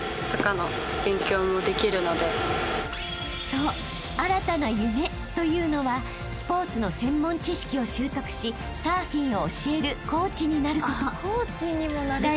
［そう新たな夢というのはスポーツの専門知識を習得しサーフィンを教えるコーチになること］